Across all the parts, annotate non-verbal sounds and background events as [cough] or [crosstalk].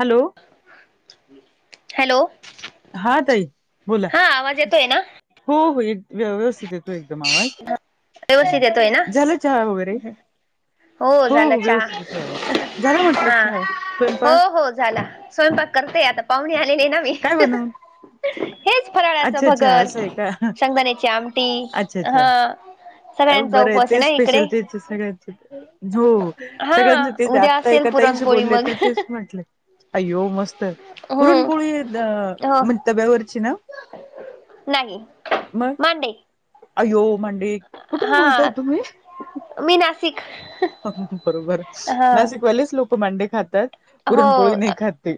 Hello. Hello. हा ताई बोला हा आवाज येतोय ना हो हो एक व्यवस्थित. एकदम आवाज व्यवस्थित येतोय ना झाला चहा वगैरे. हो झाला चहा हा हो हो [unintelligible] झाला स्वयंपाक करतेय आता पाहुणे आलेली ना मी. काय बनवून हेच फराळाचं अच्छा अच्छा भगर असं आहे का शेंगदाण्याची आमटी. हा. अ सगळ्यांचा बर आहे उपवास ते ना स्पेशल इकडे तेच सगळ्यांचे हो सगळ्यांच झोप हा सगळ्यांची तेच उद्या आता असेल एका ताईंशी पुरणपोळी बोलले मग तर तेच अय्यो मस्त हम्म पुरणपोळी हो म्हणज तब्यावरची ना. नाही मग मांडे अय्यो मांडे कुठून बोलताय हा तुम्ही मी नाशिक. बरोबर हा नाशिकवालेच लोक मांडे खातात. पुरणपोळी हो नाही खात ते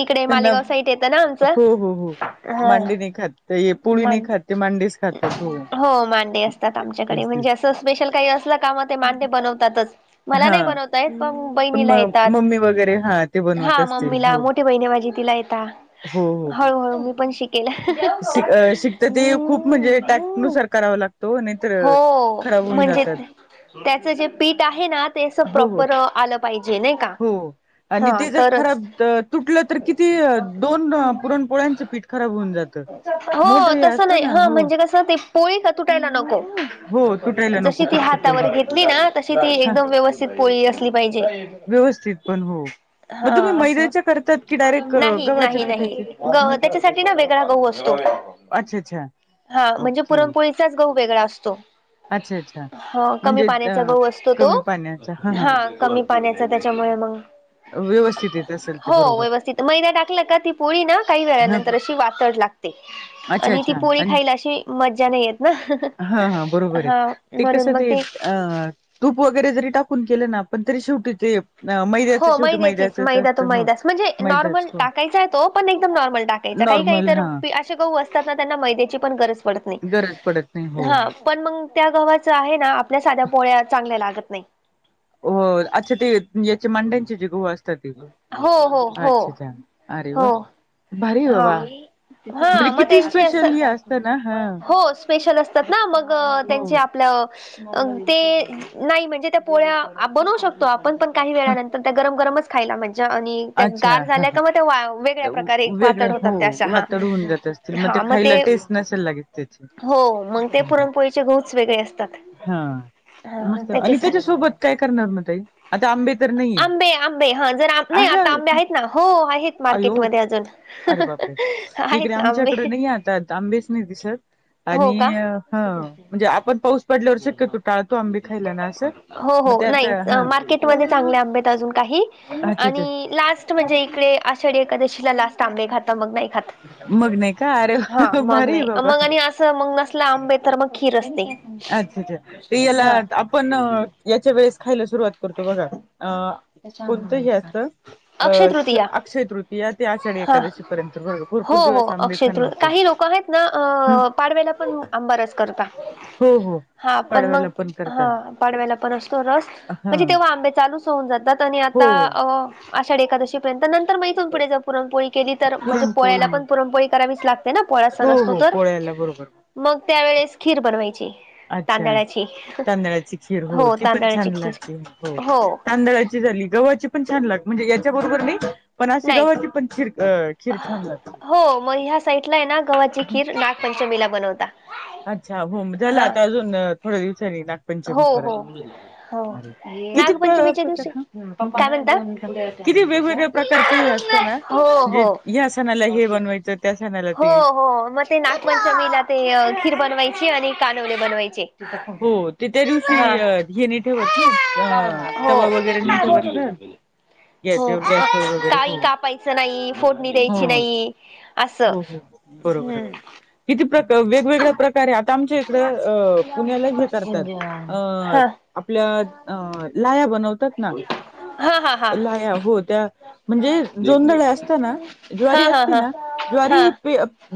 इकडे मालेगाव साईट येतं ना आमचं हो हो हो. हा मांडे नाही खात. ते पोळी नाही मान खात ते मांडेच खातात हो. हो मांडे असतात आमच्याकडे तेच तेच म्हणजे असं स्पेशल काही असलं का मग ते मांडे बनवतातच. मला हा नाही बनवता येत पण बहिणीला म येतात मम्मी वगैरे हा ते बनवत हा असतील मम्मीला हो मो ठी बहिण आहे माझी तिला येत हो हळूहळू हो मी पण शिकेल. शिक शिकत ते खूप म्हणजे टॅक्नुसार करावं लागतं. हो म्हणजे त्याच जे पीठ आहे ना ते अस हो हो प्रॉपर आलं पाहिजे नाही. का हो आणि हा ते जर तरच खराब तुटलं तर किती दोन पुरणपोळ्यांचं पीठ खराब होऊन जातं. मोठं हो हे तस असतं नाही ना हा हो म्हणजे कस ते पोळी का तुटायला नको. हो तुटायला नको जशी ती फक्त तेवढी हातावर घेतली ना तशी ती हा एकदम व्यवस्थित व्यवस्थित पोळी असली पाहिजे. व्यवस्थित पण हो हा मग तुम्ही असं मैद्याच्या करतात की डायरेक्ट अ, नाही गव्हाच्या नाही नाही पिठाचे मग त्याच्यासाठी ना वेगळा गहू असतो. [unintelligible] अच्छा अच्छा हा म्हणजे ओके पुरणपोळीचा गहू वेगळा असतो. अच्छा अच्छा हा कमी म्हणजे अ पाण्याचा गहू असतो तो हा कमी. पाण्याचा त्याच्यामुळे मग व्यवस्थित येत असेल ते हो बरोबर व्यवस्थित मैदा टाकला का ती पोळी ना काही ह वेळानंतर अशी वाटत लागते अच्छा आणि ती अच्छा पोळी आणि खायला अशी मज्जा नाही येत ना. हा हा बरोबर आहे हा ते म्हणून कसं मग ते अ तूप वगैरे जरी टाकून केलं ना पण तरी शेवटी ते. अ, हो मैद्याचं शेवटी मैद्याचीच मैद्याचच मैदा तो असतं हो मैदास म्हणजे नॉर्मल मैदाच हो टाकायचा आहे तो. पण एकदम नॉर्मल टाकायचं काही काही नॉर्मल तर हा असे गहू असतात ना त्यांना मैद्याची गरज पडत नाही गरज पडत नाही हो हा. हो पण मग त्या गव्हाच आहे ना आपल्या साध्या पोळ्या चांगल्या लागत नाही. हो अच्छा ते याचे मांड्यांचे जे गहू असतात ते हो हो हो अच्छा अच्छा अरे वा हो. भारी आहे बाबा हा म्हणजे मग किती त्यां अस स्पेशल हे असतं ना हा हो. स्पेशल असतात ना मग हो त्यांचे आपलं ते नाही म्हणजे त्या पोळ्या बनवू शकतो आपण पण काही हं, वेळानंतर त्या गरम गरमच खायला मजा आणि अच्छा गार हा झाल्या हा का मग वाळ वेगळ्या प्रकारे वेगळं वातड होतात हो त्याश ह वातड होऊन जात असतील हा मग खायला ते. टेस्ट नसेल लागेल त्याची हो मग ते हो हो पुरणपोळीचे गहु वेगळे असतात. हा हा मस्त आणि त्याच्या त्याच्यासोबत काय करणार म ताई आता आंबे तर नाहीये आंबे आंबे हा जर नाही आहे आता आंबे आहेत ना हो आहेत अयो मार्केट मध्ये अजून अरे बापरे इकडे आहेत ना आंबे आमच्याकडे नाही आता आंबेच नाही दिसत हो आणि का ह म्हणजे आपण पाऊस पडल्यावर शक्यतो टाळतो आंबे खायला ना असं हो हो मग ते नाही आता हा मार्केट मध्ये चांगले आंबे आहेत आजुन काही अच्छा अच्छा आणि लास्ट म्हणजे इकडे आषाढी एकादशी ला लास्ट आंबे खात मग नाही खात मग नाही का अरे भारी आहे बाबा च मग नसलं आंबे तर मग खीर असते अच्छा अच्छा ते याला हा आपण याच्या वेळेस खायला सुरुवात करतो बघा अ कोणतं त्याच्यामुळे हे काय असतं अ अक्षय तृतीया ते आषाढी हा एकादशी पर्यंत हो भरपूर हो दिवस आंबे अक्षय खान तृ होतं काही लोक आहेत ना हम्म पाडव्याला पण आंबारस करता हो हो हा पण मग पाडव्याला करता हा पाडव्याला पण असतो रस हा म्हणजे तेव्हा आंबे चालूच होऊन जा आणि हो आता आषाढी एकादशी पर्यंत म इथून पुढे जर पुरणपोळी केली तर म्हणजे पुरणपोळी पोळ्याला मग पण पुरणपोळी करावीच लागते ना पोळा सण असतो तर आपल्या बरोबर मग त्यावेेळेस खीर बनवायची अच्छा तांदळाची तांदळाची खीर हो ती पण तांदळाची छान खीर लागते हो तांदळा चि झाली गव्हाची पण छान लाग म्हणजे याच्याबरोबर नाही पण अशी नाही गव्हाची पण खीर अ खीर छान लागते हो म ह्या साईडला आहे ना गव्हाची खीर नाग पंचमीला बनवता अच्छा हो झाला हा आता अजून थोड्या दिवसांनी ना पंचमी हो हो हो पर्यंत किती नागपंचमीच्या प्र दिवशी काय किती म्हणता वेगवेगळ्या प्रकारचं हे असतना हो म्हणजे हो या सणाला हे बनवायचं त्या सणाला हो ते हो मग ते नागपंचमीला ते खीर बनवायची आणि कानोले बनवायचे हो ते त्या दिवशी हा हे नाही ठेवत ना अ हो तवा वगैरे नाही ठेवत ना हो याच्यावर गॅसवर वगैरे हो काही कापायचं नाही फोडणी हो द्यायची हो नाही असं हो हो बरोबर आहे हम्म बरोबर किती प्रकार वेगवेगळ्या प्रकारे आता आमच्या इकडे अ पुण्याला हेे करतात अ आपल अ लाह्या बनव तात ना हा हा हा हा हा लाह्या हो त्या म्हणजे जोंदळ असत ना ज्वारी हा असती हा ना ज्वारी हा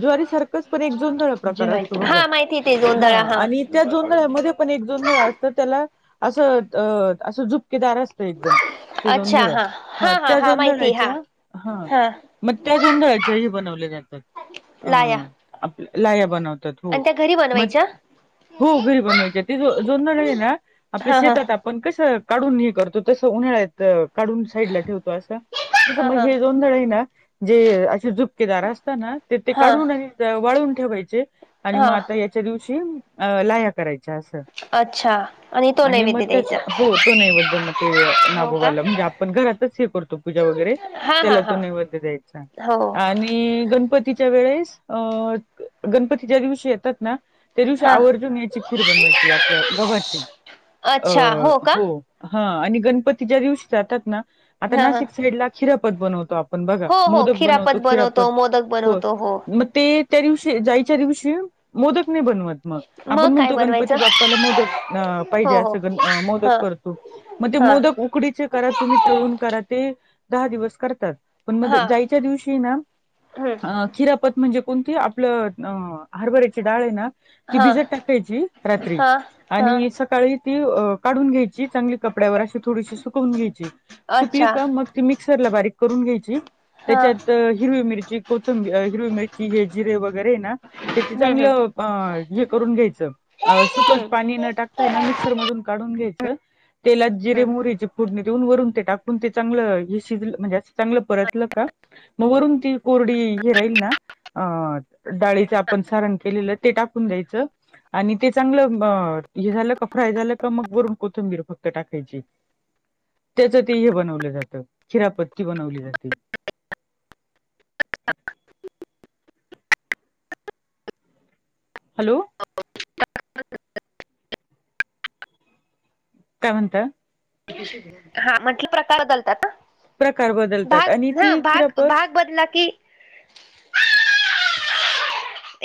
ज्वारी सारखस पण एक जोंधळ प्रकार असतो हा माहिती ते बघा जोंधळा हा आणि त्या जोंधळ्या मधे पण एक जोंधळ असत त्याला असं अस झुपकेदार असत एकदम ते जोंधळ हा त्या जोंधळाच्या हा मग त्या जोंधळाच्या हे बनवले जातात लाया अ लाह्या बनवतात हो आणि त्या घरी मग बनवायच्या? हो घरी बनवायची ते जोंधळ आहे ना आपल्या हा हा शेतात अप पण कसं काढून हे करतो तसं उन्हाळ्यात काढून साईड ला ठेवतो असं त्यां हा मग हा हे जोंधळ आहे ना जे अशे झुपकेदार असत ना ते ते हा काढून नाही वाळून ठेवायचे आणि म हा आता याच्या दिवशी लाह्या करायच्या अच्छा अस अच्छा तो आणि मग नैवेद्य त्याच द्यायचा हो तो नैवेद्य म ते हो का? नागोबाला म्हणजे आपण घरातच हे करतो पूजा वगैरे हा त्याला हा तो हा नैवेद्य द्यायचा. हो आणि, गणपतीच्या वेळेस, अ.. गणपतीच्या दिवशी येतात ना. च्या हा आवर्जून यांची खीर बनवायची, आपल्या गव्हाची अ अच्छा का? हो. हा आणि गणपतीच्या दिवशी जातात ना, आता हा हा नाशिक साईडला खिरापत बनवतो आपण. पण बघा हो हो मोदक बनवतो खिरापत खिरापत मोदक होय. बनवतो हो मग ते, त्या दिवशी जायच्या, दिवशी मोदक नाही बनवत. मग मग आपण काय म्हणतो बनवायचं? गणपती बाप्पाला मोदक, अ पाहिजे हो हो असं ग मोदक हा करतो. मग ते हा मोदक उकडीचे करा, तुम्ही तळून करा ते दहा दिवस करतात. पण मग हा जायच्या दिवशी ना. हम्म आ.. खिरापत म्हणजे, कोणती आपलं, हरबऱ्याची डाळ आहे ना. ती हा भिजत टाकायची रात्री. हा हा आणि स काळी ती काढून घ्यायची, चांगली कपड्यावर अशी थोडीशी सुकवून घ्यायची सुकली अच्छा का मग. ती मिक्सरला बारीक करून घ्यायची. हा तेच्यात हिरवी मिरची कोथिंबीर हिरवी मिरची हे जिरे वगैरे ना, त्यांची हम्म हम्म चांगलं. अ.. हे करून घ्यायचं. सुुकच पाणी न टाकतायना हा मिक्सर मधून काढून घ्यायचं. तेलात जिरे मोहरी ची फोडणी. देऊन वरून ते टाकून ते चांगलं हे, शिज म्हणजे असं चांगलं परतलं का. मग वरून ती, कोरडी हे राहील ना अं. डाळीचं आपण सारण केलेलं ते टाकून द्यायचं. आणि ते चांगलं हे झालं का, फ्राय झालं का मग वरून कोथंबीर फक्त टाकायची. त्यांच ते हे बनवलं जातं, खिरापत्ती बनवली जाते. हॅलो. [inaudible] काय म्हणता. हा म्हटलं प्रकार बदलतात ना, प्रकार बदलतात भाग आणि ह ती खिरापत भाग भाग. बदला की,